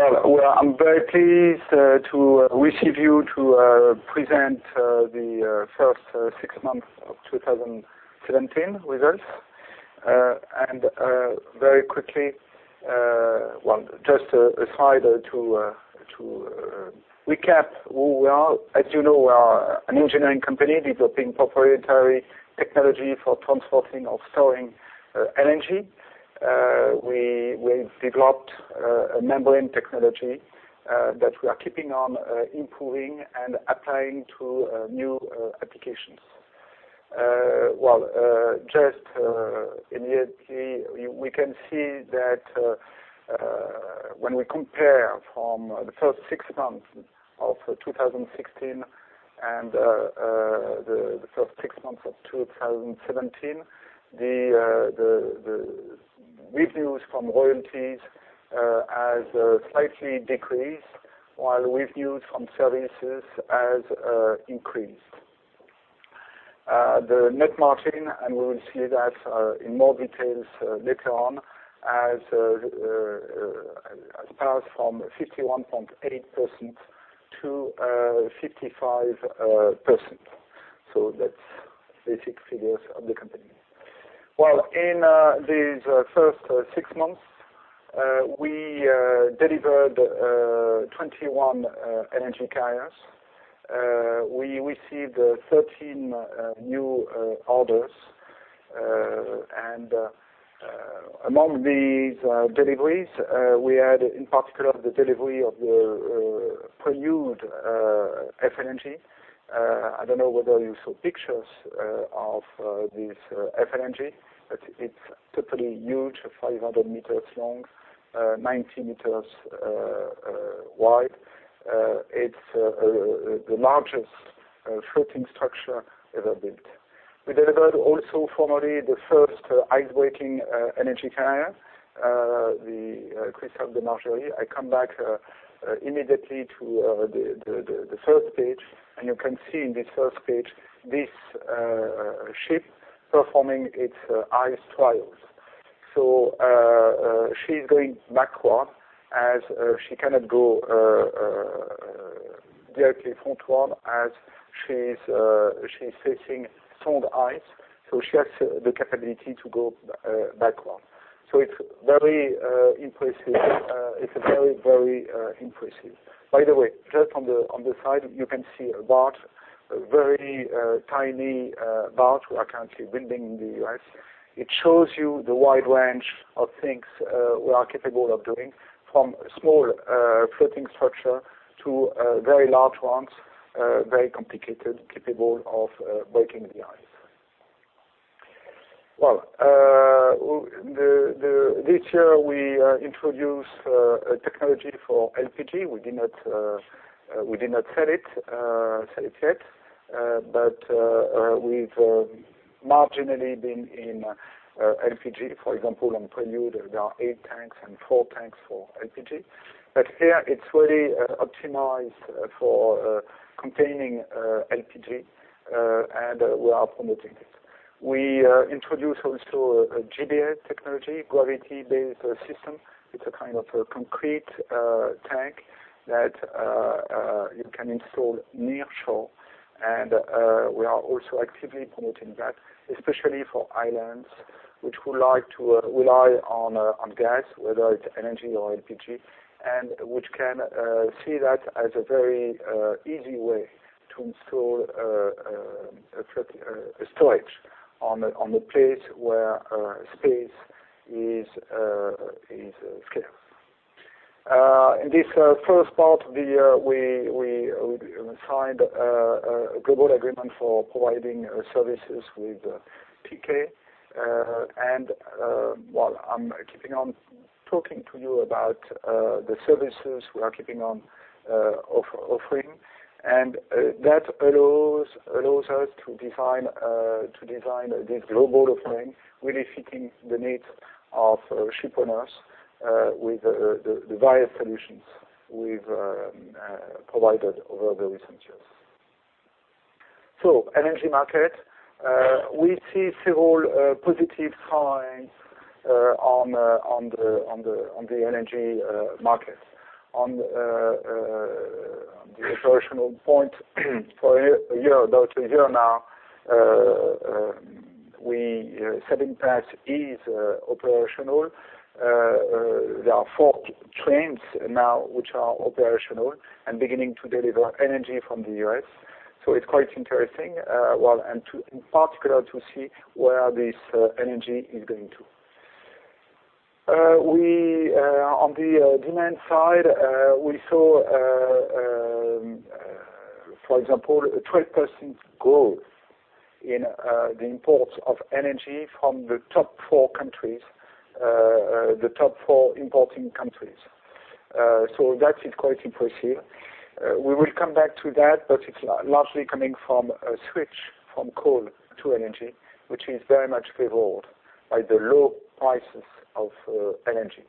Well, I'm very pleased to receive you to present the first six months of 2017 results. Very quickly, well, just a slide to recap who we are. As you know, we are an engineering company developing proprietary technology for transporting or storing energy. We developed a membrane technology that we are keeping on improving and applying to new applications. Well, just immediately, we can see that when we compare from the first six months of 2016 and the first six months of 2017, the revenues from royalties have slightly decreased, while revenues from services have increased. The net margin, and we will see that in more details later on, has passed from 51.8%-55%. So that's basic figures of the company. Well, in these first six months, we delivered LNG Carriers We received 13 new orders. Among these deliveries, we had, in particular, the delivery of the Prelude FLNG. I don't know whether you saw pictures of this FLNG, but it's totally huge, 500 meters long, 90 meters wide. It's the largest floating structure ever built. We delivered also formally the first ice-breaking LNG carrier, the Christophe de Margerie. I come back immediately to the first page, and you can see in this first page this ship performing its ice trials. So she is going backward as she cannot go directly frontward as she's facing stone ice. So she has the capability to go backward. So it's very impressive. It's very, very impressive. By the way, just on the side, you can see a board, a very tiny board we are currently building in the US. It shows you the wide range of things we are capable of doing, from small floating structure to very large ones, very complicated, capable of breaking the ice. Well, this year we introduced a technology for LPG. We did not sell it yet, but we've marginally been in LPG. For example, on Prelude, there are 8 tanks and 4 tanks for LPG. But here, it's really optimized for containing LPG, and we are promoting it. We introduced also a GBS technology, gravity-based system. It's a kind of a concrete tank that you can install near shore. And we are also actively promoting that, especially for islands which would like to rely on gas, whether it's energy or LPG, and which can see that as a very easy way to install a storage on a place where space is scarce. In this first part of the year, we signed a global agreement for providing services with Teekay. While I'm keeping on talking to you about the services we are keeping on offering, and that allows us to design this global offering really fitting the needs of shipowners with the various solutions we've provided over the recent years. LNG market, we see several positive signs on the LNG market. On the operational point, for about a year now, we said in past is operational. There are 4 trains now which are operational and beginning to deliver LNG from the US. So it's quite interesting, and in particular to see where this LNG is going to. On the demand side, we saw, for example, a 12% growth in the imports of LNG from the top 4 countries, the top 4 importing countries. So that is quite impressive. We will come back to that, but it's largely coming from a switch from coal to LNG, which is very much favored by the low prices of LNG.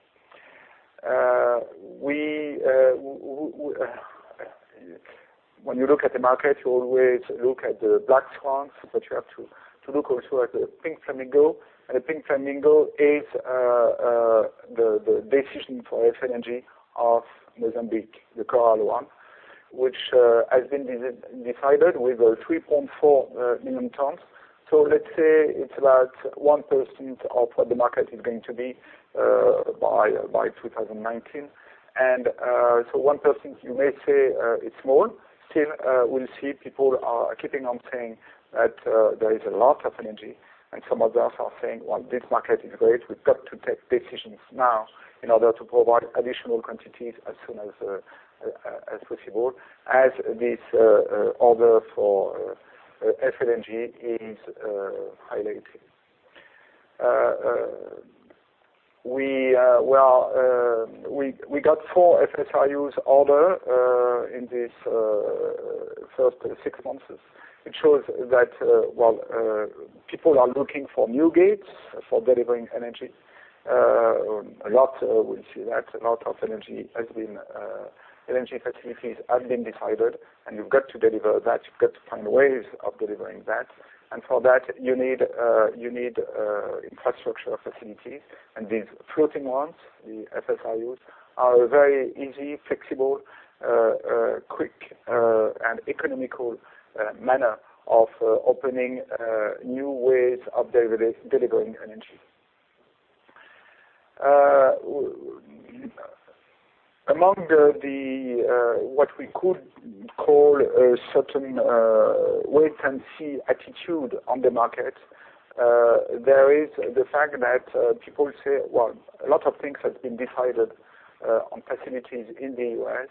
When you look at the market, you always look at the black swans, but you have to look also at the pink flamingo. And the pink flamingo is the decision for LNG of Mozambique, the Coral one, which has been decided with 3.4 million tons. So let's say it's about 1% of what the market is going to be by 2019. And so 1%, you may say it's small. Still, we'll see people are keeping on saying that there is a lot of LNG, and some others are saying, "Well, this market is great. We've got to take decisions now in order to provide additional quantities as soon as possible," as this order for FLNG is highlighted. We got 4 FSRUs ordered in these first 6 months. It shows that, well, people are looking for new gates for delivering energy. We'll see that a lot of energy has been energy facilities have been decided, and you've got to deliver that. You've got to find ways of delivering that. And for that, you need infrastructure facilities. And these floating ones, the FSRUs, are a very easy, flexible, quick, and economical manner of opening new ways of delivering energy. Among what we could call a certain wait-and-see attitude on the market, there is the fact that people say, "Well, a lot of things have been decided on facilities in the U.S.,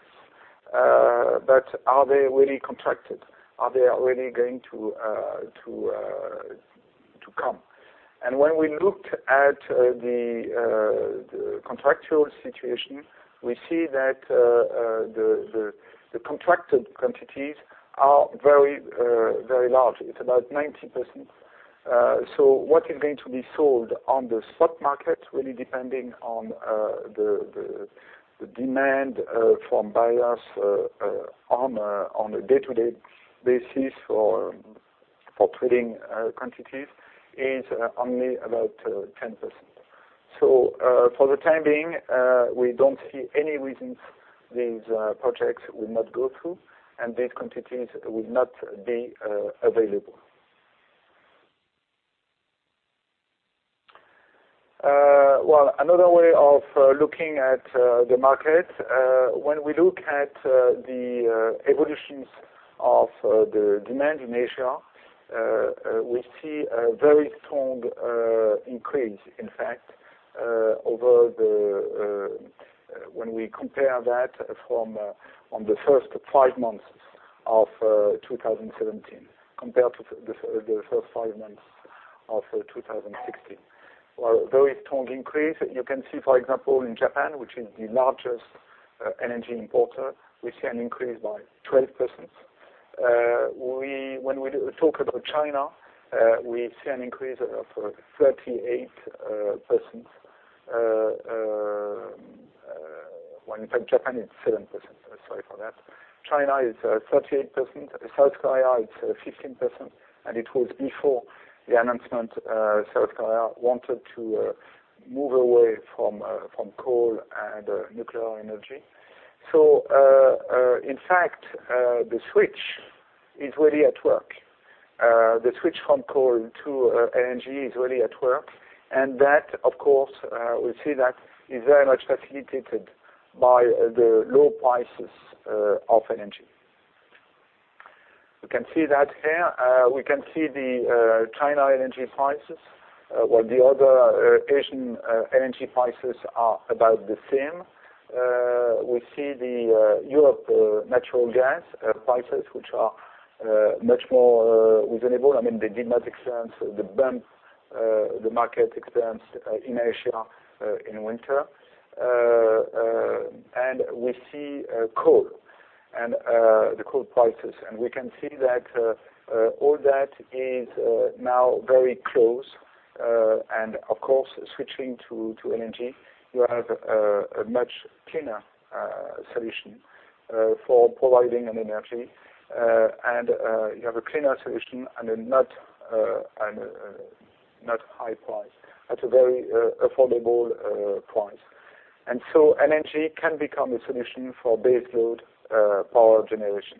but are they really contracted? Are they really going to come?" And when we looked at the contractual situation, we see that the contracted quantities are very large. It's about 90%. So what is going to be sold on the spot market, really depending on the demand from buyers on a day-to-day basis for trading quantities, is only about 10%. So for the time being, we don't see any reasons these projects will not go through, and these quantities will not be available. Well, another way of looking at the market, when we look at the evolutions of the demand in Asia, we see a very strong increase, in fact, when we compare that from the first five months of 2017 compared to the first five months of 2016. Well, very strong increase. You can see, for example, in Japan, which is the largest energy importer, we see an increase by 12%. When we talk about China, we see an increase of 38%. Well, in fact, Japan is 7%. Sorry for that. China is 38%. South Korea, it's 15%. It was before the announcement South Korea wanted to move away from coal and nuclear energy. In fact, the switch is really at work. The switch from coal to energy is really at work. And that, of course, we see that is very much facilitated by the low prices of energy. You can see that here. We can see the China energy prices. Well, the other Asian energy prices are about the same. We see the Europe natural gas prices, which are much more reasonable. I mean, they did not experience the bump the market experienced in Asia in winter. And we see coal and the coal prices. And we can see that all that is now very close. And of course, switching to energy, you have a much cleaner solution for providing an energy. And you have a cleaner solution and a not high price at a very affordable price. And so energy can become a solution for base load power generation.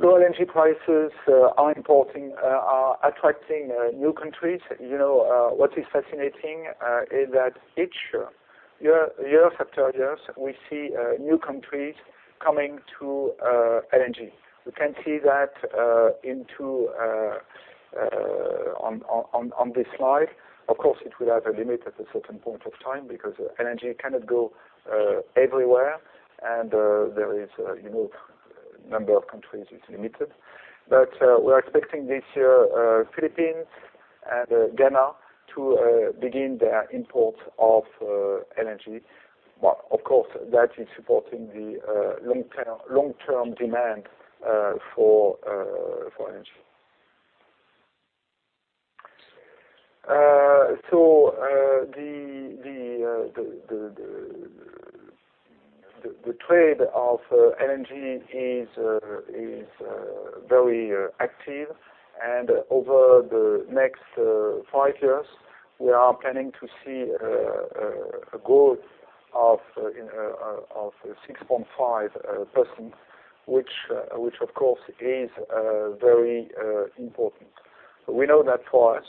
Low energy prices are attracting new countries. What is fascinating is that year after year, we see new countries coming to energy. We can see that on this slide. Of course, it will have a limit at a certain point of time because energy cannot go everywhere, and the number of countries is limited. But we're expecting this year the Philippines and Ghana to begin their imports of energy. Well, of course, that is supporting the long-term demand for energy. So the trade of energy is very active. And over the next five years, we are planning to see a growth of 6.5%, which, of course, is very important. We know that for us,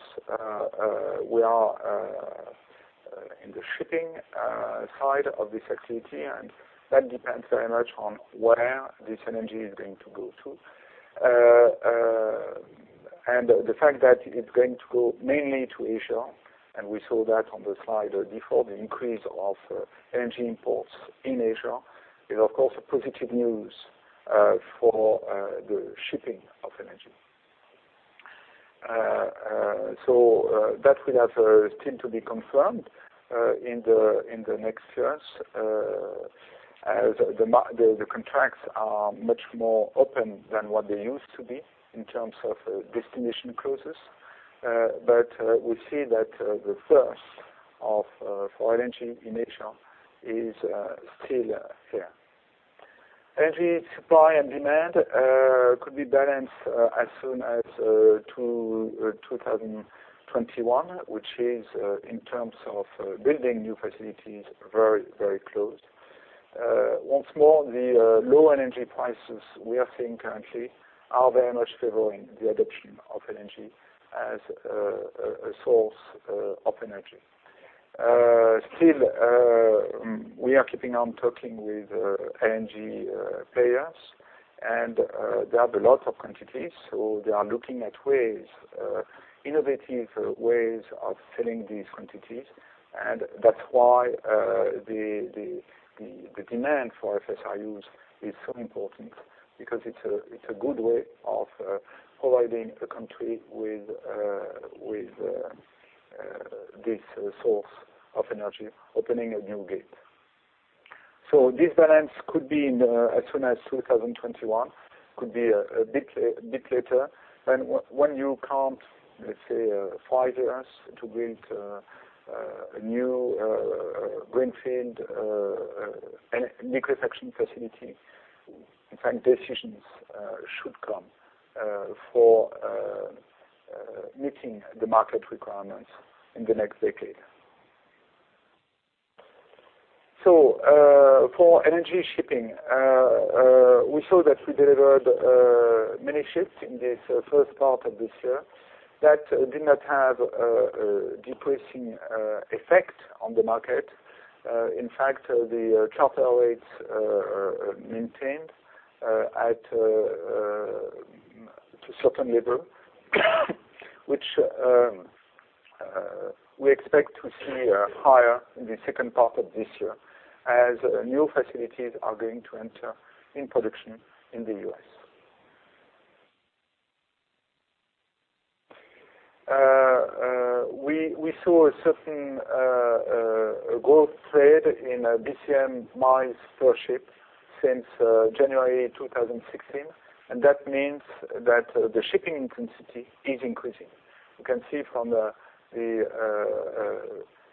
we are in the shipping side of this activity, and that depends very much on where this energy is going to go to. The fact that it's going to go mainly to Asia, and we saw that on the slide before, the increase of energy imports in Asia is, of course, positive news for the shipping of energy. So that will have still to be confirmed in the next years as the contracts are much more open than what they used to be in terms of destination clauses. But we see that the thirst for energy in Asia is still here. Energy supply and demand could be balanced as soon as 2021, which is, in terms of building new facilities, very, very close. Once more, the low LNG prices we are seeing currently are very much favoring the adoption of LNG as a source of energy. Still, we are keeping on talking with LNG players, and they have a lot of quantities. So they are looking at ways, innovative ways of selling these quantities. And that's why the demand for FSRUs is so important because it's a good way of providing a country with this source of energy, opening a new gate. So this balance could be as soon as 2021, could be a bit later. And when you count, let's say, five years to build a new greenfield LNG regasification facility, in fact, decisions should come for meeting the market requirements in the next decade. So for LNG shipping, we saw that we delivered many ships in this first part of this year. That did not have a depressing effect on the market. In fact, the charter rates maintained at a certain level, which we expect to see higher in the second part of this year as new facilities are going to enter in production in the U.S. We saw a certain growth in trade in BCM miles for ships since January 2016. And that means that the shipping intensity is increasing. You can see from the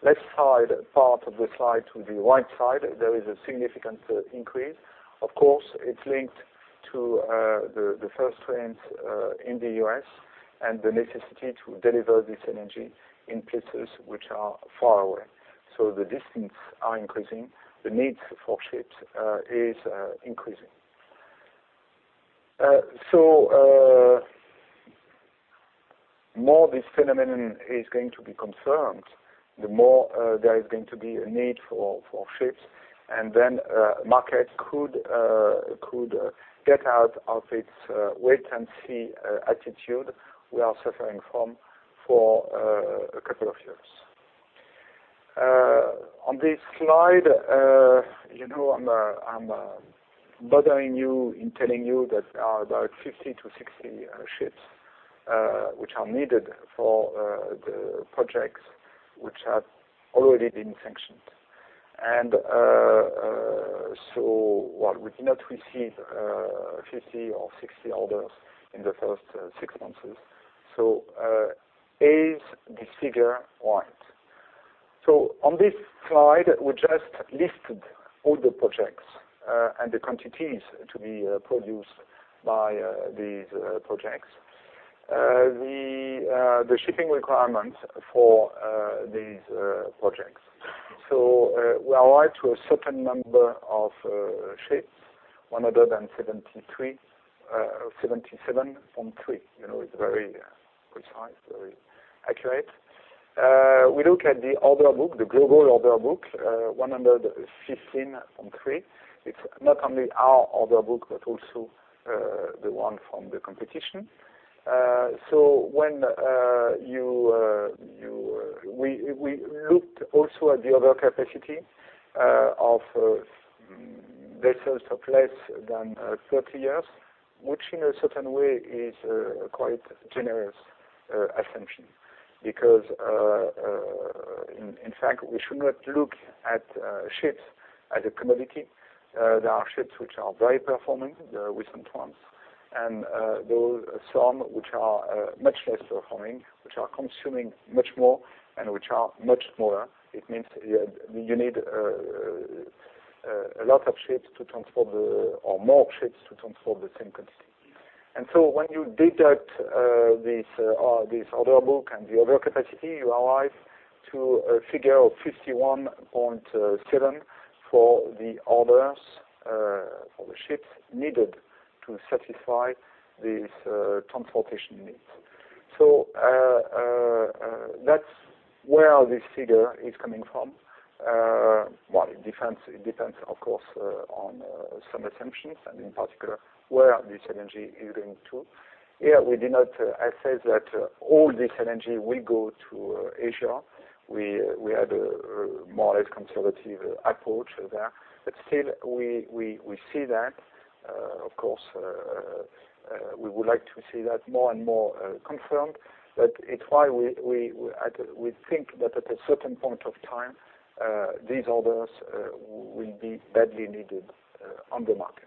left side part of the slide to the right side, there is a significant increase. Of course, it's linked to the first trains in the U.S. and the necessity to deliver this energy in places which are far away. So the distance is increasing. The needs for ships are increasing. So more this phenomenon is going to be confirmed, the more there is going to be a need for ships. Then markets could get out of its wait-and-see attitude we are suffering from for a couple of years. On this slide, I'm bothering you in telling you that there are about 50-60 ships which are needed for the projects which have already been sanctioned. And so while we did not receive 50 or 60 orders in the first six months, so is this figure right? On this slide, we just listed all the projects and the quantities to be produced by these projects, the shipping requirements for these projects. So we arrived to a certain number of ships, 173, 77.3. It's very precise, very accurate. We look at the order book, the global order book, 115.3. It's not only our order book, but also the one from the competition. So when we looked also at the other capacity of vessels of less than 30 years, which in a certain way is quite a generous assumption because, in fact, we should not look at ships as a commodity. There are ships which are very performing with some trams, and some which are much less performing, which are consuming much more and which are much smaller. It means you need a lot of ships to transport or more ships to transport the same quantity. And so when you deduct this order book and the other capacity, you arrive to a figure of 51.7 for the orders for the ships needed to satisfy these transportation needs. So that's where this figure is coming from. Well, it depends, of course, on some assumptions and in particular where this energy is going to. Here, we did not assess that all this energy will go to Asia. We had a more or less conservative approach there. But still, we see that, of course, we would like to see that more and more confirmed. But it's why we think that at a certain point of time, these orders will be badly needed on the market.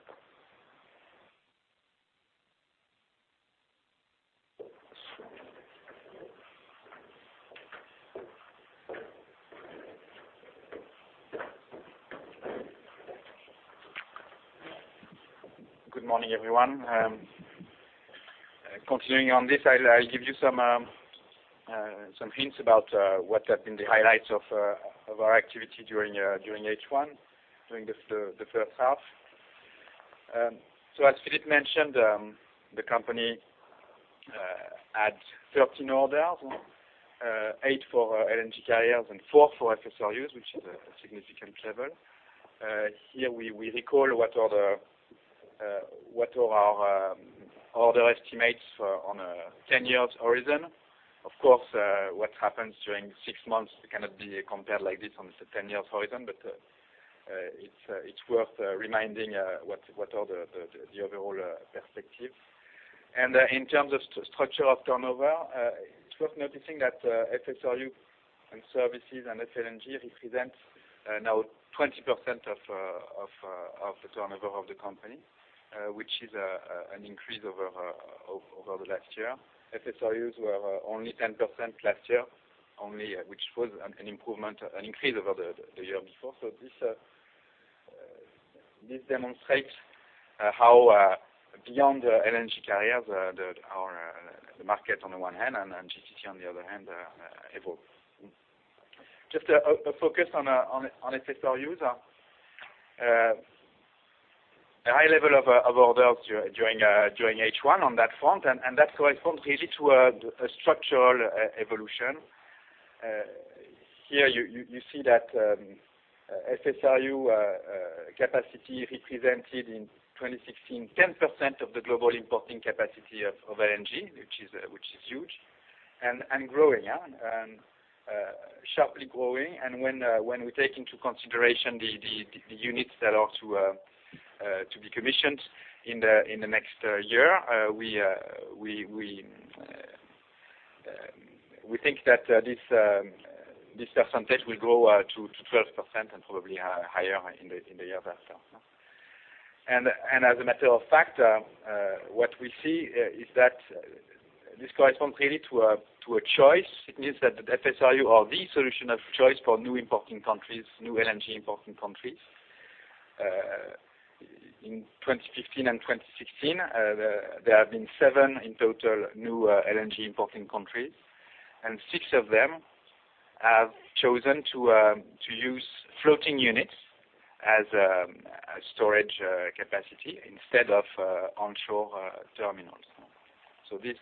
Good morning, everyone. Continuing on this, I'll give you some hints about what have been the highlights of our activity during H1, during the first half. So as Philippe mentioned, the company had 13 orders, 8 for LNG carriers and 4 for FSRUs, which is a significant level. Here, we recall what are our order estimates on a 10-year horizon. Of course, what happens during six months cannot be compared like this on a 10-year horizon, but it's worth reminding what are the overall perspectives. In terms of structure of turnover, it's worth noticing that FSRU and services and FLNG represent now 20% of the turnover of the company, which is an increase over the last year. FSRUs were only 10% last year, which was an increase over the year before. This demonstrates how, beyond LNG carriers, the market on the one hand and GTT on the other hand evolve. Just a focus on FSRUs. A high level of orders during H1 on that front, and that corresponds really to a structural evolution. Here, you see that FSRU capacity represented in 2016 10% of the global importing capacity of LNG, which is huge and growing, sharply growing. When we take into consideration the units that are to be commissioned in the next year, we think that this percentage will grow to 12% and probably higher in the years after. As a matter of fact, what we see is that this corresponds really to a choice. It means that the FSRU or the solution of choice for new importing countries, new LNG importing countries. In 2015 and 2016, there have been 7 in total new LNG importing countries, and 6 of them have chosen to use floating units as storage capacity instead of onshore terminals. This,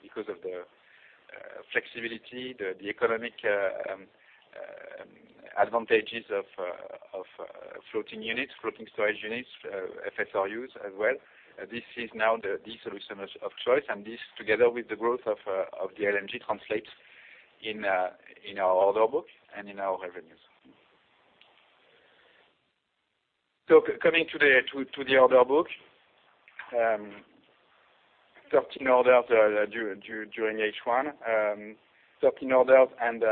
because of the flexibility, the economic advantages of floating units, floating storage units, FSRUs as well, this is now the solution of choice. And this, together with the growth of the LNG, translates in our order book and in our revenues. Coming to the order book, 13 orders during H1, 13 orders and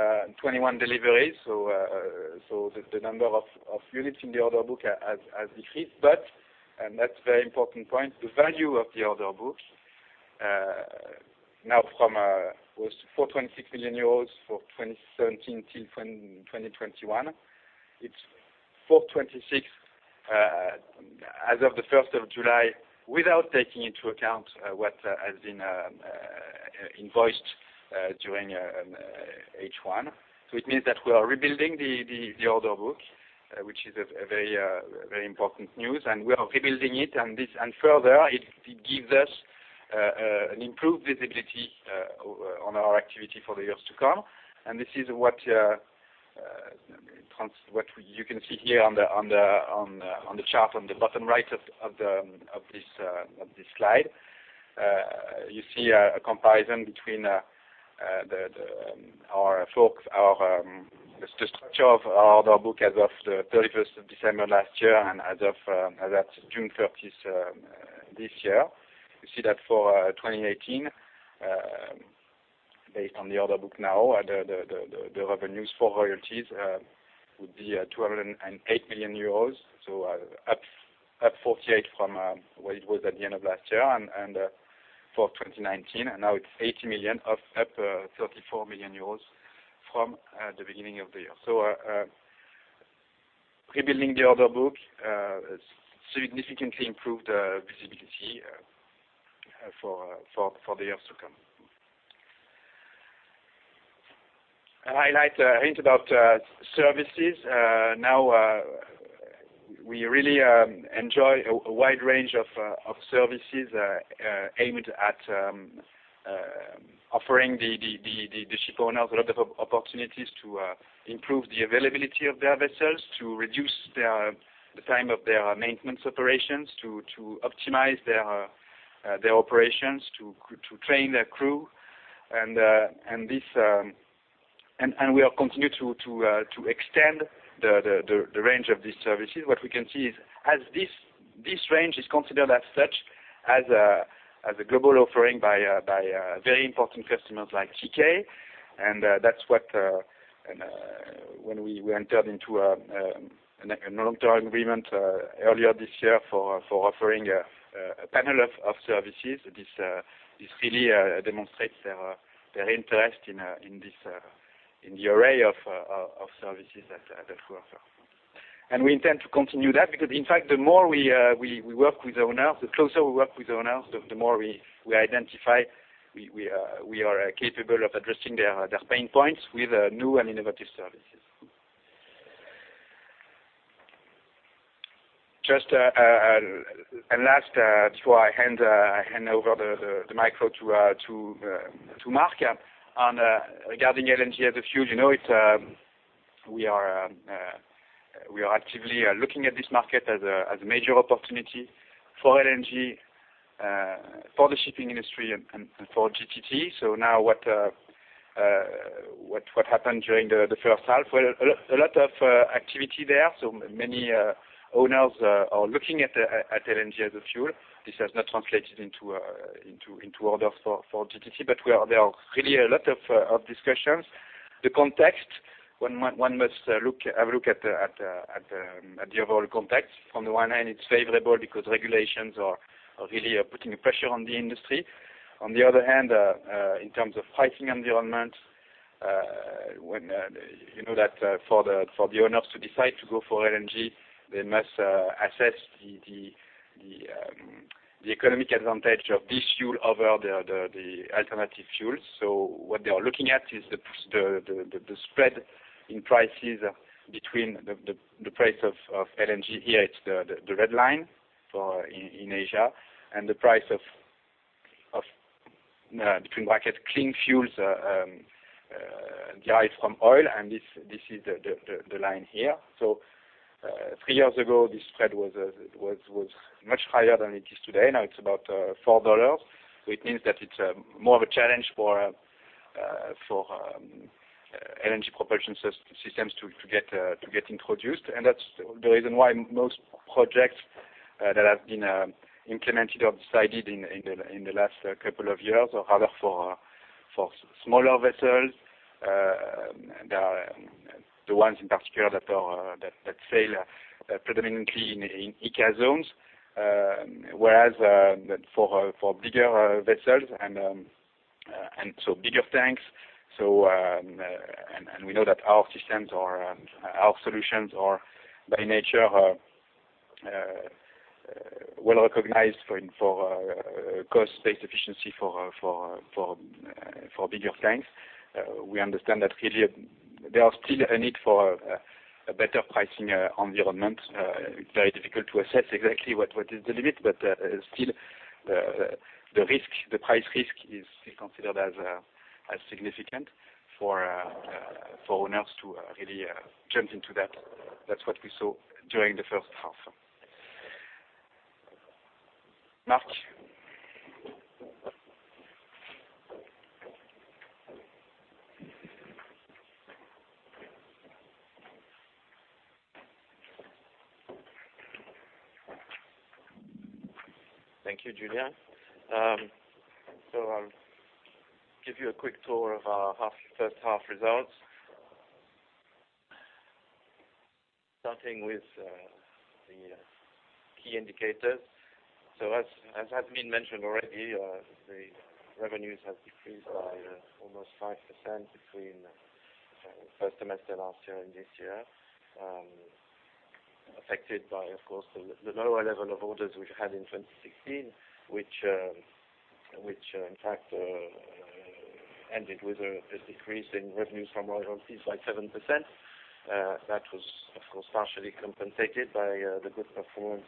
21 deliveries. The number of units in the order book has decreased. But, and that's a very important point, the value of the order book now from was 426 million euros for 2017 till 2021. It's 426 as of the 1st of July without taking into account what has been invoiced during H1. So it means that we are rebuilding the order book, which is very important news. And we are rebuilding it. And further, it gives us an improved visibility on our activity for the years to come. And this is what you can see here on the chart on the bottom right of this slide. You see a comparison between our structure of our order book as of the 31st of December last year and as of June 30th this year. You see that for 2018, based on the order book now, the revenues for royalties would be 208 million euros. So up 48 from what it was at the end of last year and for 2019. And now it's €80 million, up €34 million from the beginning of the year. So rebuilding the order book significantly improved visibility for the years to come. A highlight hint about services. Now, we really enjoy a wide range of services aimed at offering the ship owners a lot of opportunities to improve the availability of their vessels, to reduce the time of their maintenance operations, to optimize their operations, to train their crew. And we continue to extend the range of these services. What we can see is, as this range is considered as such as a global offering by very important customers like TK. And that's what, when we entered into a long-term agreement earlier this year for offering a panel of services, this really demonstrates their interest in the array of services that we offer. And we intend to continue that because, in fact, the more we work with owners, the closer we work with owners, the more we identify we are capable of addressing their pain points with new and innovative services. Just a last before I hand over the mic to Marc regarding LNG as a fuel. We are actively looking at this market as a major opportunity for LNG, for the shipping industry, and for GTT. So now what happened during the first half, a lot of activity there. So many owners are looking at LNG as a fuel. This has not translated into orders for GTT, but there are really a lot of discussions. The context, one must have a look at the overall context. From the one hand, it's favorable because regulations are really putting pressure on the industry. On the other hand, in terms of pricing environment, you know that for the owners to decide to go for LNG, they must assess the economic advantage of this fuel over the alternative fuels. So what they are looking at is the spread in prices between the price of LNG here, it's the red line in Asia, and the price of, between brackets, clean fuels derived from oil. And this is the line here. So three years ago, this spread was much higher than it is today. Now it's about $4. So it means that it's more of a challenge for LNG propulsion systems to get introduced. And that's the reason why most projects that have been implemented or decided in the last couple of years, or rather for smaller vessels, the ones in particular that sail predominantly in ECA zones, whereas for bigger vessels and so bigger tanks. And we know that our solutions are by nature well recognized for cost-based efficiency for bigger tanks. We understand that really there are still a need for a better pricing environment. It's very difficult to assess exactly what is the limit, but still the price risk is still considered as significant for owners to really jump into that. That's what we saw during the first half. Marc. Thank you, Julien. So I'll give you a quick tour of our first half results. Starting with the key indicators. So as has been mentioned already, the revenues have decreased by almost 5% between the first semester last year and this year, affected by, of course, the lower level of orders we've had in 2016, which in fact ended with a decrease in revenues from royalties by 7%. That was, of course, partially compensated by the good performance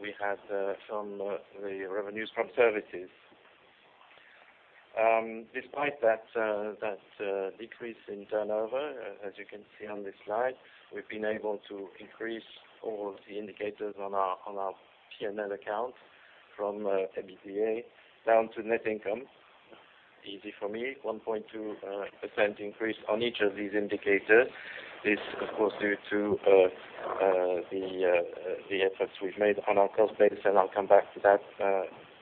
we had from the revenues from services. Despite that decrease in turnover, as you can see on this slide, we've been able to increase all of the indicators on our P&L account from EBITDA down to net income. Easy for me, 1.2% increase on each of these indicators. This, of course, due to the efforts we've made on our cost base, and I'll come back to that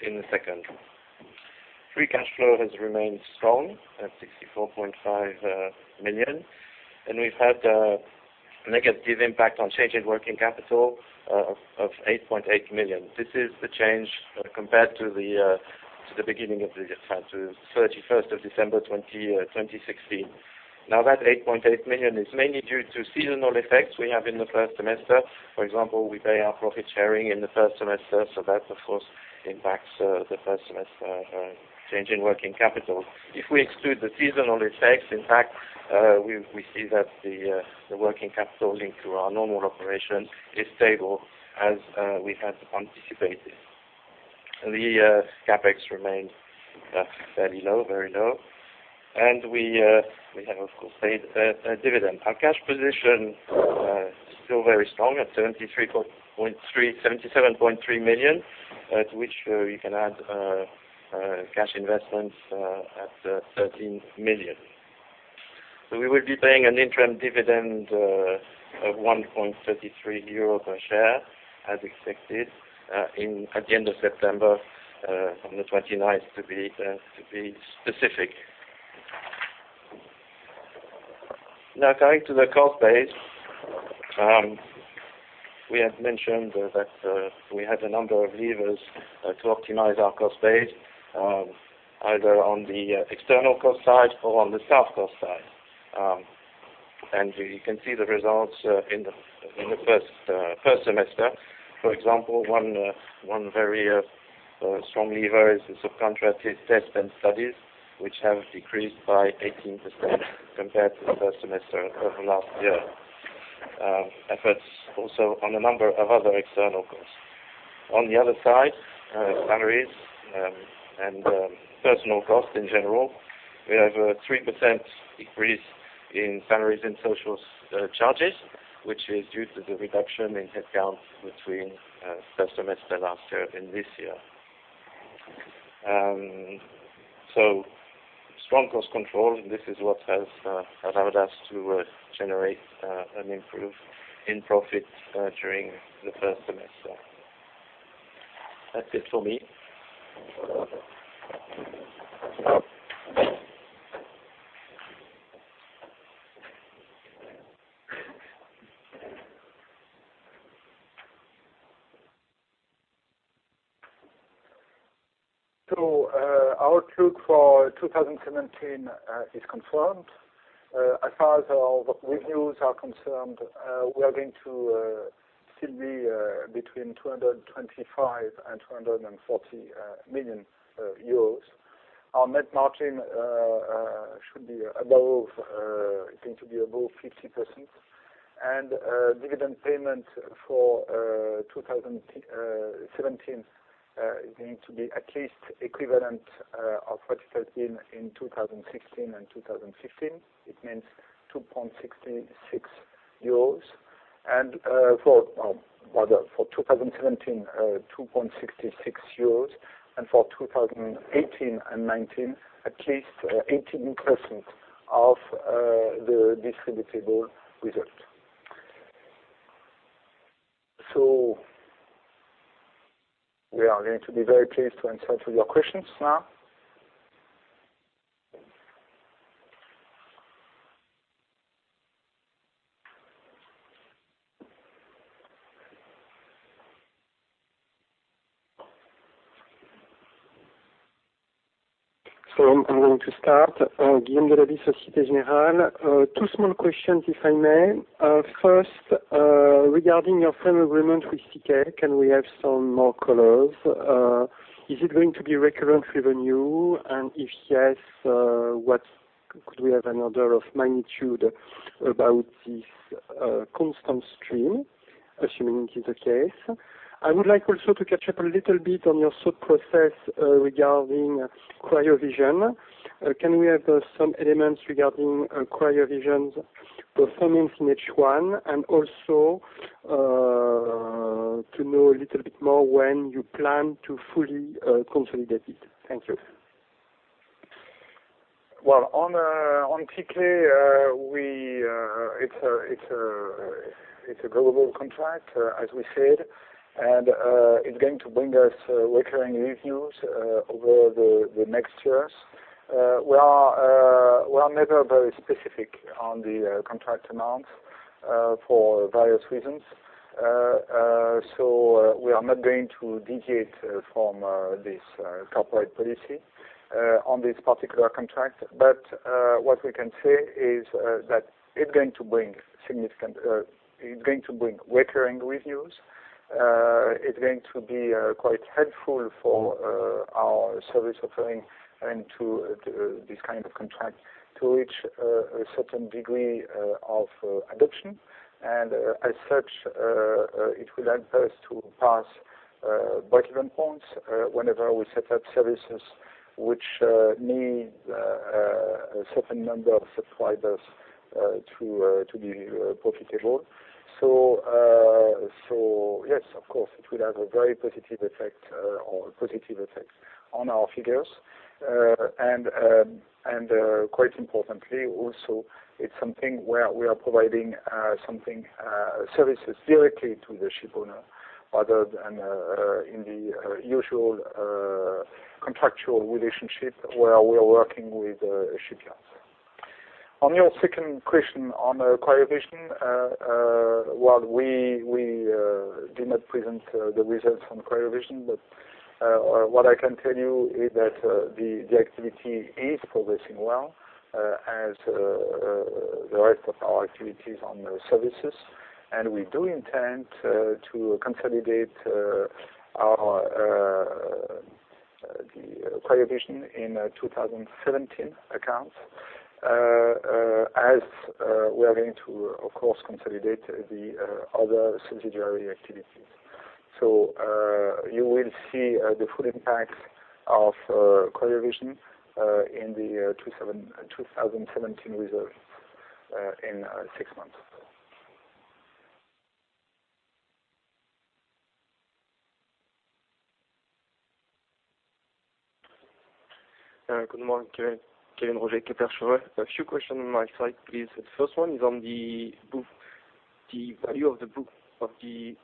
in a second. Free cash flow has remained strong at 64.5 million. And we've had a negative impact on changing working capital of 8.8 million. This is the change compared to the beginning of the year, to 31st of December 2016. Now, that 8.8 million is mainly due to seasonal effects we have in the first semester. For example, we pay our profit sharing in the first semester. So that, of course, impacts the first semester changing working capital. If we exclude the seasonal effects, in fact, we see that the working capital linked to our normal operation is stable as we had anticipated. The CapEx remained fairly low, very low. And we have, of course, paid a dividend. Our cash position is still very strong at 77.3 million, to which you can add cash investments at 13 million. So we will be paying an interim dividend of €1.33 per share, as expected at the end of September, on the 29th to be specific. Now, coming to the cost base, we had mentioned that we had a number of levers to optimize our cost base, either on the external cost side or on the staff cost side. You can see the results in the first semester. For example, one very strong lever is the subcontracted tests and studies, which have decreased by 18% compared to the first semester of last year. Efforts also on a number of other external costs. On the other side, salaries and personnel costs in general, we have a 3% increase in salaries and social charges, which is due to the reduction in headcount between first semester last year and this year. Strong cost control, and this is what has allowed us to generate an improvement in profit during the first semester. That's it for me. Our guidance for 2017 is confirmed. As far as our revenues are concerned, we are going to still be between 225 million and 240 million euros. Our net margin should be above, going to be above 50%. And dividend payments for 2017 is going to be at least equivalent of what it has been in 2016 and 2015. It means 2.66 euros. And for 2017, 2.66 euros, and for 2018 and 2019, at least 18% of the distributable result. So we are going to be very pleased to answer to your questions now. So I'm going to start. Guillaume Delaby, Société Générale. Two small questions, if I may. First, regarding your firm agreement with TK, can we have some more colors? Is it going to be recurrent revenue? And if yes, what could we have an order of magnitude about this constant stream, assuming it is the case? I would like also to catch up a little bit on your thought process regarding Cryovision. Can we have some elements regarding Cryovision's performance in H1, and also to know a little bit more when you plan to fully consolidate it? Thank you. Well, on TK, it's a global contract, as we said, and it's going to bring us recurring revenues over the next years. We are never very specific on the contract amounts for various reasons. So we are not going to deviate from this corporate policy on this particular contract. But what we can say is that it's going to bring significant it's going to bring recurring revenues. It's going to be quite helpful for our service offering and to this kind of contract to reach a certain degree of adoption. And as such, it will help us to pass break-even points whenever we set up services which need a certain number of subscribers to be profitable. So yes, of course, it will have a very positive effect on our figures. And quite importantly, also, it's something where we are providing something, services directly to the ship owner rather than in the usual contractual relationship where we are working with shipyards. On your second question on Cryovision, well, we did not present the results on Cryovision, but what I can tell you is that the activity is progressing well as the rest of our activities on services. And we do intend to consolidate the Cryovision in 2017 accounts as we are going to, of course, consolidate the other subsidiary activities. So you will see the full impact of Cryovision in the 2017 results in six months. Good morning, Kevin Roger, Kepler Cheuvreux. A few questions on my side, please. First one is on the value of the order book. You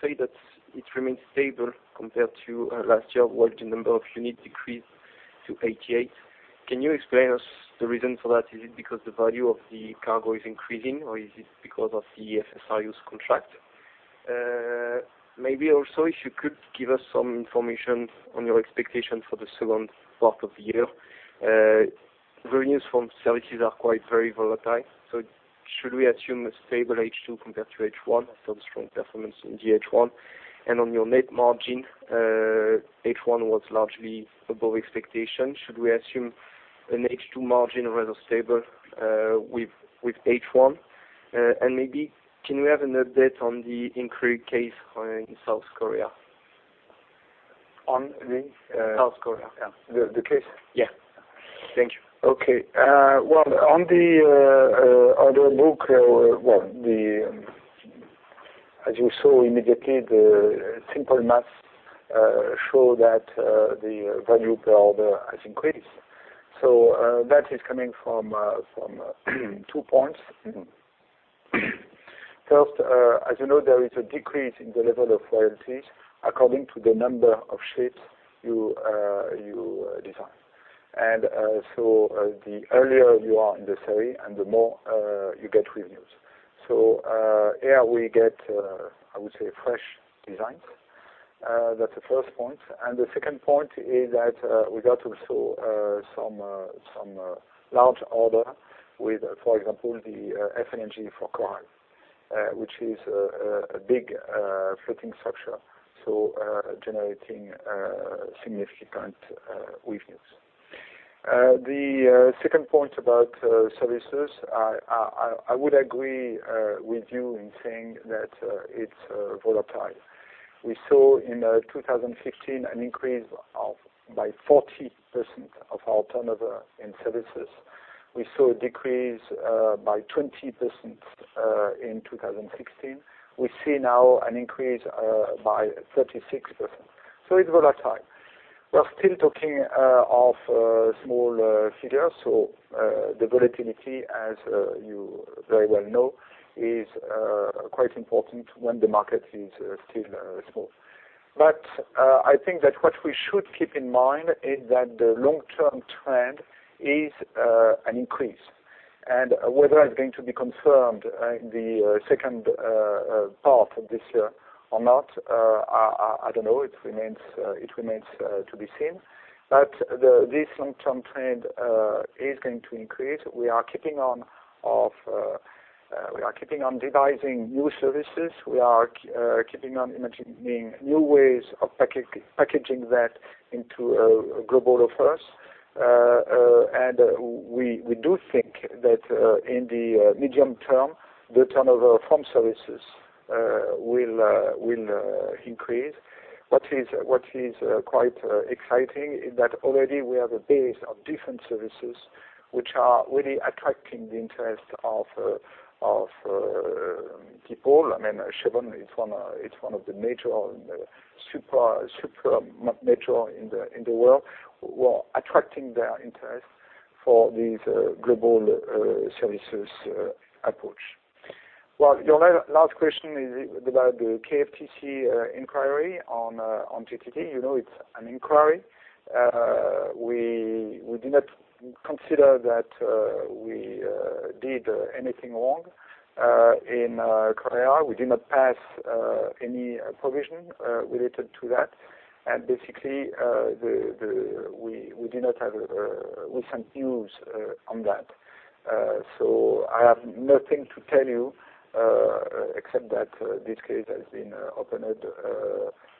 say that it remains stable compared to last year when the number of units decreased to 88. Can you explain to us the reason for that? Is it because the value of the orders is increasing, or is it because of the FSRU's contract? Maybe also, if you could give us some information on your expectations for the second part of the year. Revenues from services are quite very volatile. So should we assume a stable H2 compared to H1 after the strong performance in the H1? And on your net margin, H1 was largely above expectation. Should we assume an H2 margin rather stable with H1? And maybe, can you have an update on the antitrust case in South Korea? On the? South Korea. The case? Yeah. Thank you. Okay. Well, on the order book, well, as you saw immediately, the simple math shows that the value per order has increased. So that is coming from two points. First, as you know, there is a decrease in the level of royalties according to the number of ships you design. And so the earlier you are in the sale and the more you get revenues. So here we get, I would say, fresh designs. That's the first point. And the second point is that we got also some large order with, for example, the FLNG for Coral, which is a big floating structure, so generating significant revenues. The second point about services, I would agree with you in saying that it's volatile. We saw in 2015 an increase by 40% of our turnover in services. We saw a decrease by 20% in 2016. We see now an increase by 36%. So it's volatile. We're still talking of small figures. So the volatility, as you very well know, is quite important when the market is still small. But I think that what we should keep in mind is that the long-term trend is an increase. And whether it's going to be confirmed in the second part of this year or not, I don't know. It remains to be seen. But this long-term trend is going to increase. We are keeping on devising new services. We are keeping on imagining new ways of packaging that into global offers. And we do think that in the medium term, the turnover from services will increase. What is quite exciting is that already we have a base of different services which are really attracting the interest of people. I mean, Chevron is one of the major super major in the world, attracting their interest for this global services approach. Well, your last question is about the KFTC inquiry on GTT. You know it's an inquiry. We did not consider that we did anything wrong in Korea. We did not pass any provision related to that. And basically, we did not have recent news on that. So I have nothing to tell you except that this case has been opened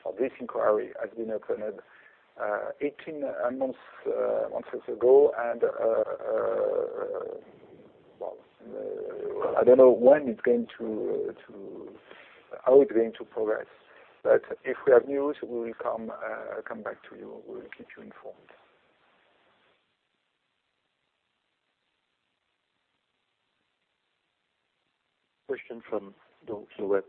or this inquiry has been opened 18 months ago. And I don't know when it's going to how it's going to progress. But if we have news, we will come back to you. We will keep you informed. Question from Louen.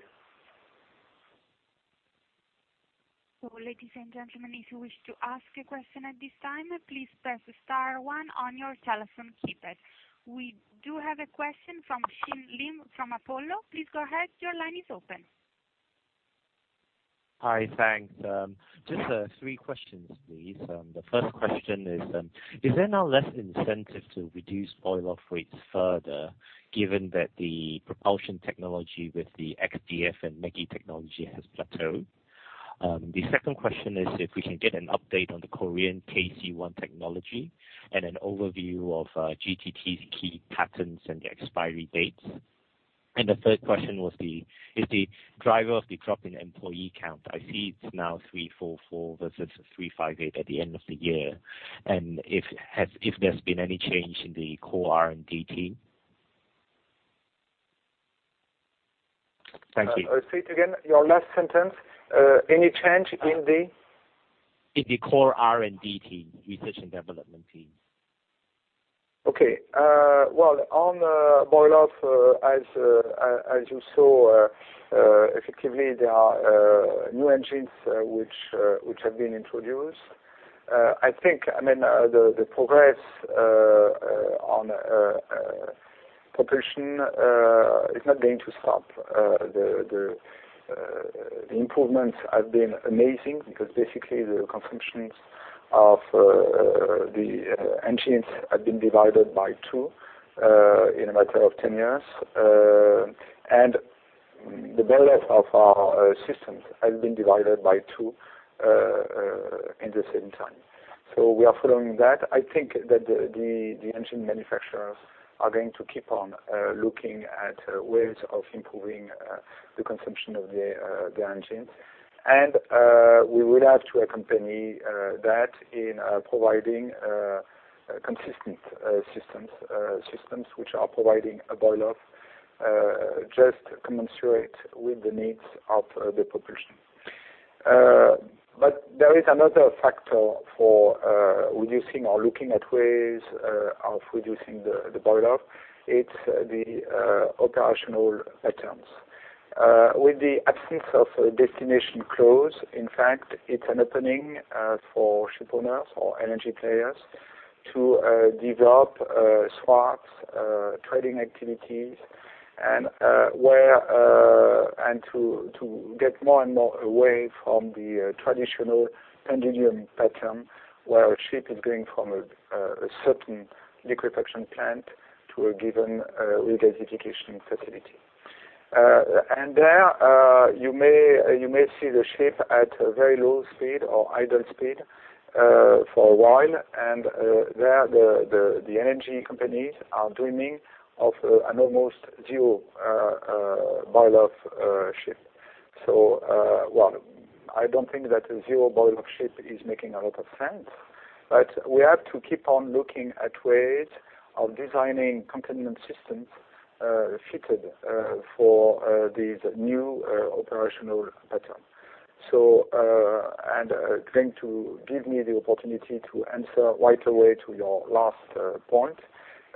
So, ladies and gentlemen, if you wish to ask a question at this time, please press star one on your telephone keypad. We do have a question from Chin Lim from Apollo. Please go ahead. Your line is open. Hi, thanks. Just three questions, please. The first question is, is there now less incentive to reduce boil-off rates further given that the propulsion technology with the X-DF and ME-GI technology has plateaued? The second question is if we can get an update on the Korean KC-1 technology and an overview of GTT's key patents and the expiry dates. And the third question was, is the driver of the drop in employee count? I see it's now 344 versus 358 at the end of the year. And if there's been any change in the core R&D team? Thank you. Repeat again your last sentence. Any change in the core R&D team, research and development team. Okay. Well, on boil-off, as you saw, effectively, there are new engines which have been introduced. I think, I mean, the progress on propulsion is not going to stop. The improvements have been amazing because basically, the consumptions of the engines have been divided by two in a matter of 10 years. And the boil-off of our systems has been divided by two in the same time. So we are following that. I think that the engine manufacturers are going to keep on looking at ways of improving the consumption of the engines. And we will have to accompany that in providing consistent systems which are providing boil-off just commensurate with the needs of the propulsion. But there is another factor for reducing or looking at ways of reducing the boil-off. It's the operational patterns. With the absence of destination clause, in fact, it's an opening for ship owners or energy players to develop swaps, trading activities, and to get more and more away from the traditional pendulum pattern where a ship is going from a certain liquefaction plant to a given regasification facility. And there, you may see the ship at very low speed or idle speed for a while. And there, the energy companies are dreaming of an almost zero boil-off ship. So, well, I don't think that a zero boil-off ship is making a lot of sense. But we have to keep on looking at ways of designing containment systems fitted for these new operational patterns. And going to give me the opportunity to answer right away to your last point.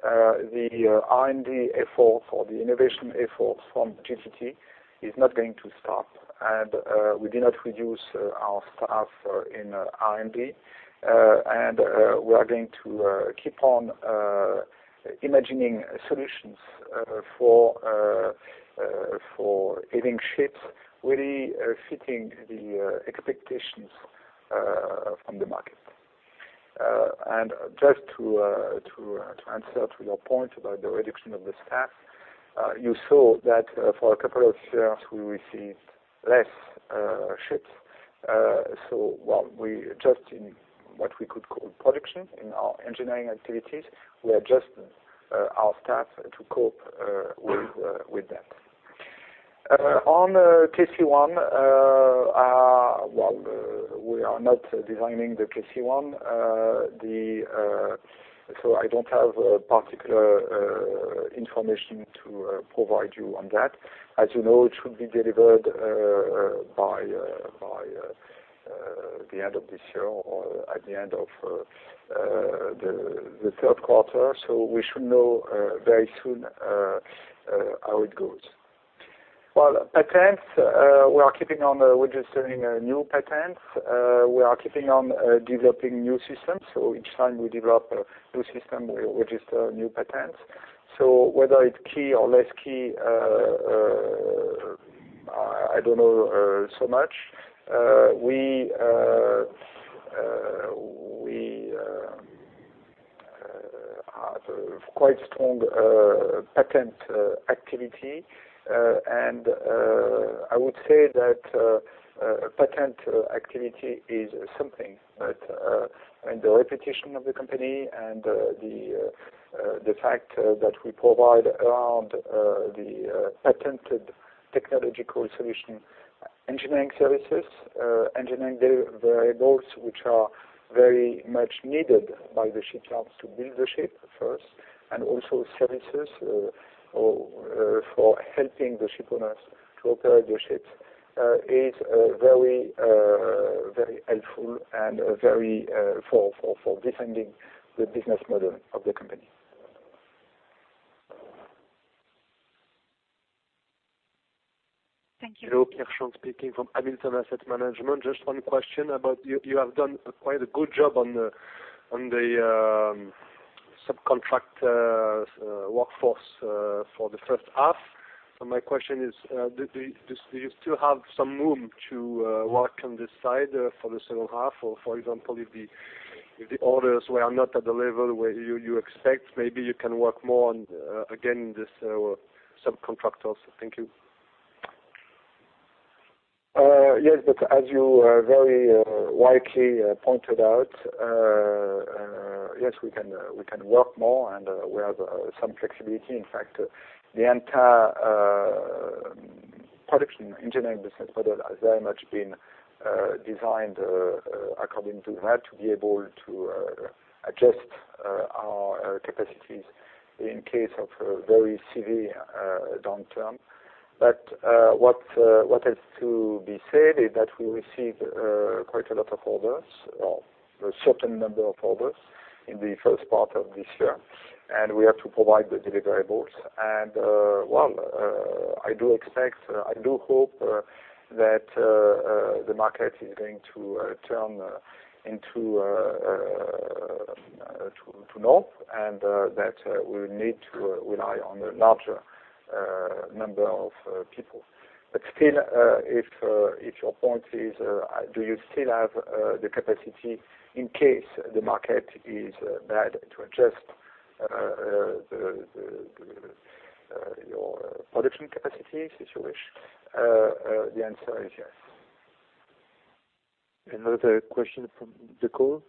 The R&D efforts or the innovation efforts from GTT is not going to stop. We did not reduce our staff in R&D. We are going to keep on imagining solutions for having ships really fitting the expectations from the market. Just to answer to your point about the reduction of the staff, you saw that for a couple of years, we received less ships. Well, just in what we could call production in our engineering activities, we adjusted our staff to cope with that. On KC1, well, we are not designing the KC1. I don't have particular information to provide you on that. As you know, it should be delivered by the end of this year or at the end of the third quarter. We should know very soon how it goes. Well, patents, we are keeping on registering new patents. We are keeping on developing new systems. So each time we develop a new system, we register new patents. So whether it's key or less key, I don't know so much. We have quite strong patent activity. And I would say that patent activity is something that, I mean, the reputation of the company and the fact that we provide around the patented technological solution engineering services, engineering variables which are very much needed by the shipyards to build the ship first, and also services for helping the ship owners to operate the ships is very helpful and very for defending the business model of the company. Thank you. Hello, Pierre Schang speaking from Hamilton Asset Management. Just one question about you have done quite a good job on the subcontract workforce for the first half. So my question is, do you still have some room to work on this side for the second half? For example, if the orders were not at the level where you expect, maybe you can work more again in this subcontractor. So thank you. Yes, but as you very widely pointed out, yes, we can work more and we have some flexibility. In fact, the entire production engineering business model has very much been designed according to that to be able to adjust our capacities in case of very severe downturn. But what has to be said is that we received quite a lot of orders or a certain number of orders in the first part of this year. We have to provide the deliverables. Well, I do expect, I do hope that the market is going to turn into norm and that we will need to rely on a larger number of people. But still, if your point is, do you still have the capacity in case the market is bad to adjust your production capacities, if you wish? The answer is yes. Another question from the call?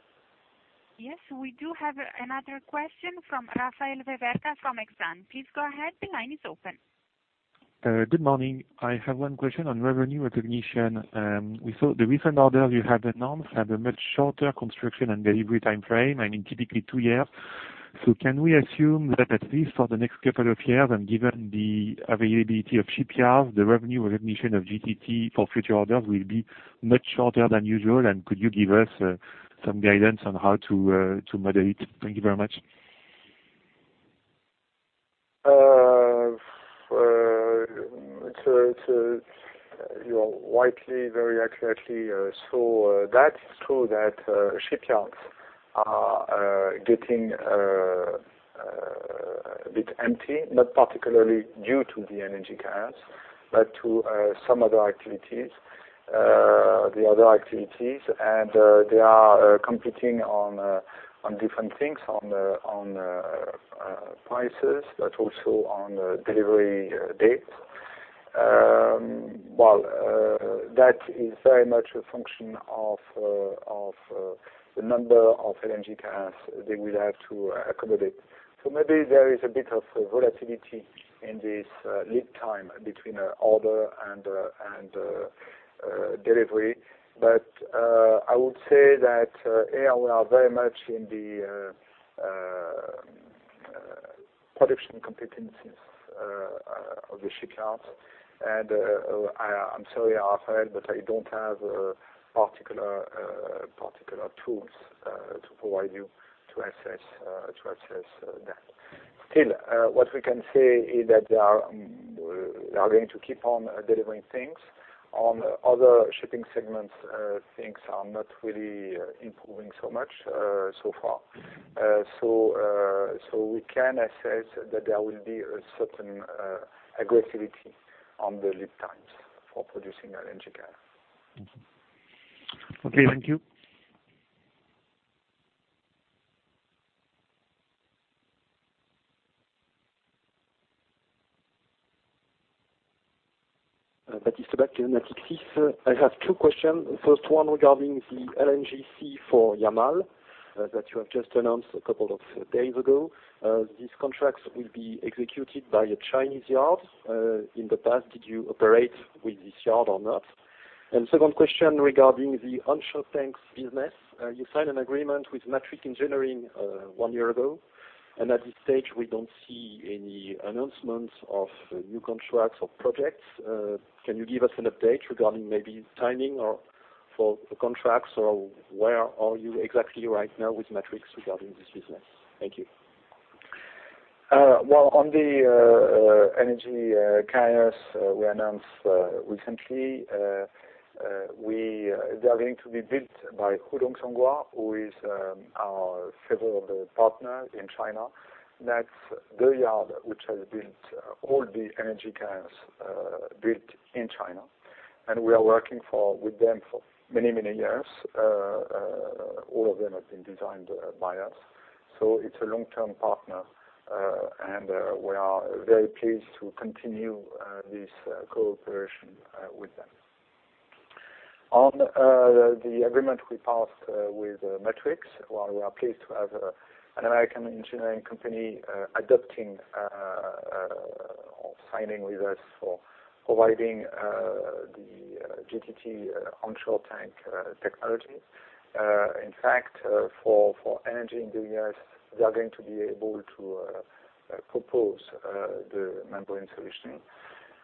Yes, we do have another question from Rafael Verter from Extran. Please go ahead. The line is open. Good morning. I have one question on revenue recognition. We saw the recent orders you have in hand have a much shorter construction and delivery timeframe, I mean, typically two years. So can we assume that at least for the next couple of years, and given the availability of shipyards, the revenue recognition of GTT for future orders will be much shorter than usual? And could you give us some guidance on how to model it? Thank you very much. You rightly very accurately saw that. It's true that shipyards are getting a bit empty, not particularly due to the energy LNGCs, but to some other activities, the other activities. They are competing on different things, on prices, but also on delivery dates. Well, that is very much a function of the number of energy LNGCs they will have to accommodate. So maybe there is a bit of volatility in this lead time between order and delivery. But I would say that here we are very much in the production competencies of the shipyards. And I'm sorry, Rafael, but I don't have particular tools to provide you to assess that. Still, what we can say is that they are going to keep on delivering things. On other shipping segments, things are not really improving so much so far. So we can assess that there will be a certain aggressivity on the lead times for producing LNGCs. Okay. Thank you. Baptiste de Leudeville, Natixis. I have two questions. First one regarding the LNGC for Yamal that you have just announced a couple of days ago. These contracts will be executed by a Chinese yard. In the past, did you operate with this yard or not? And second question regarding the onshore tanks business. You signed an agreement with Matrix Service Company one year ago. And at this stage, we don't see any announcements of new contracts or projects. Can you give us an update regarding maybe timing for contracts or where are you exactly right now with Matrix regarding this business? Thank you. Well, on the energy cash we announced recently, they are going to be built by Hudong-Zhonghua, who is our favored partner in China. That's the yard which has built all the LNG carriers built in China. And we are working with them for many, many years. All of them have been designed by us. So it's a long-term partner. And we are very pleased to continue this cooperation with them. On the agreement we passed with Matrix, well, we are pleased to have an American engineering company adopting or signing with us for providing the GTT onshore tank technologies. In fact, for LNG in the US, they are going to be able to propose the membrane solution.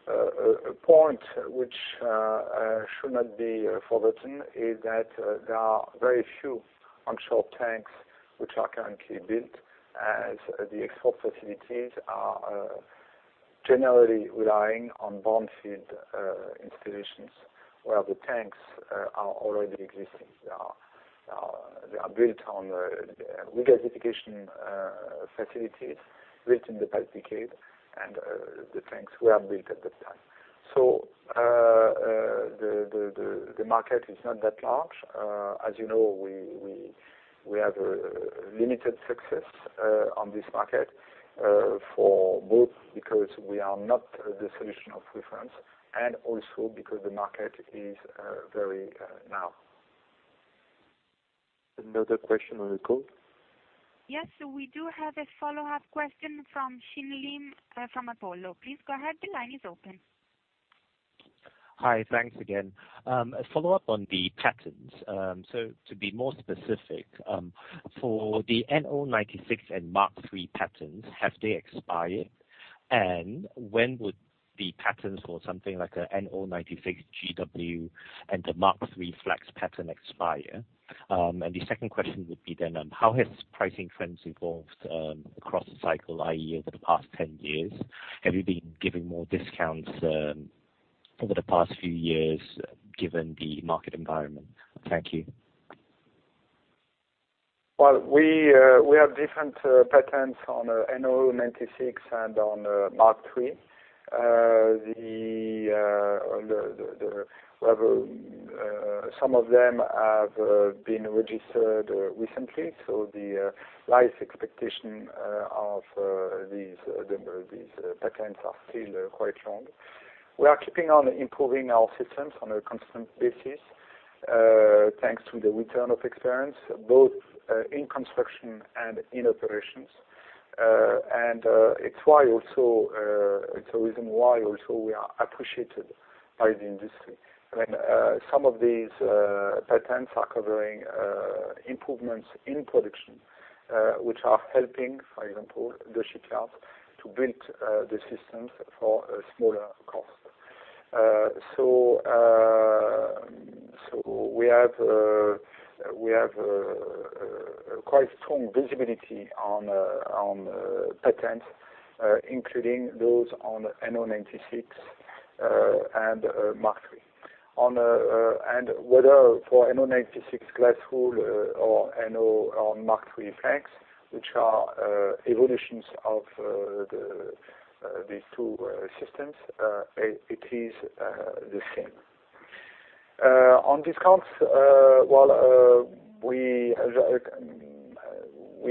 A point which should not be forgotten is that there are very few onshore tanks which are currently built as the export facilities are generally relying on brownfield installations where the tanks are already existing. They are built on regasification facilities built in the past decade, and the tanks were built at that time. So the market is not that large. As you know, we have limited success on this market for both because we are not the solution of reference and also because the market is very narrow. Another question on the call? Yes. So we do have a follow-up question from Chin Lim from Apollo. Please go ahead. The line is open. Hi. Thanks again. A follow-up on the patents. So to be more specific, for the NO96 and MK3 patents, have they expired? And when would the patents for something like an NO96 GW and the MK3 Flex patent expire? And the second question would be then, how has pricing trends evolved across the cycle, i.e., over the past 10 years? Have you been giving more discounts over the past few years given the market environment? Thank you. Well, we have different patents on NO96 and on MK3. Some of them have been registered recently. So the life expectancy of these patents is still quite long. We are keeping on improving our systems on a constant basis thanks to the return of experience, both in construction and in operations. And it's why also, it's a reason why also we are appreciated by the industry. I mean, some of these patents are covering improvements in production which are helping, for example, the shipyards to build the systems for a smaller cost. So we have quite strong visibility on patents, including those on NO96 and MK3. And whether for NO96 Glass Wool or MK3 Flex, which are evolutions of these two systems, it is the same. On discounts, well, we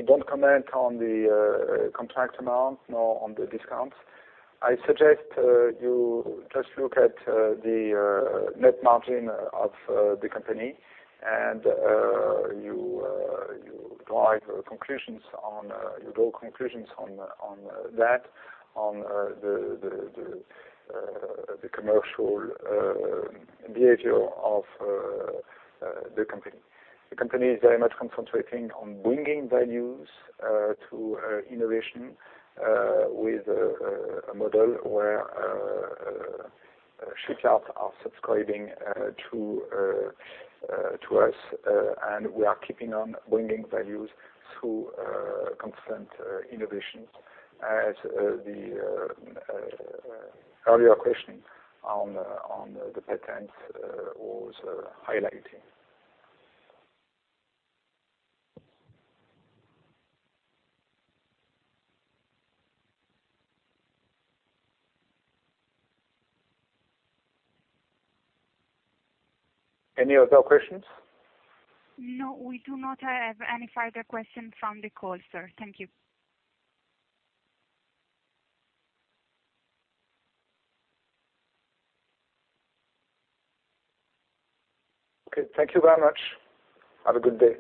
don't comment on the contract amount nor on the discounts. I suggest you just look at the net margin of the company, and you draw conclusions on that, on the commercial behavior of the company. The company is very much concentrating on bringing values to innovation with a model where shipyards are subscribing to us, and we are keeping on bringing values through constant innovations, as the earlier question on the patents was highlighting. Any other questions? No, we do not have any further questions from the call, sir. Thank you. Okay. Thank you very much. Have a good day.